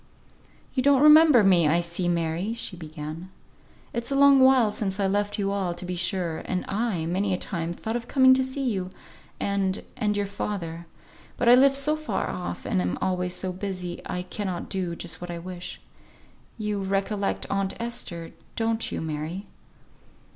"You don't remember me I see, Mary!" she began. "It's a long while since I left you all, to be sure; and I, many a time, thought of coming to see you, and and your father. But I live so far off, and am always so busy, I cannot do just what I wish. You recollect aunt Esther, don't you, Mary?"